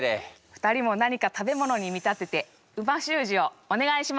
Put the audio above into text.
２人も何か食べ物に見立てて美味しゅう字をお願いします。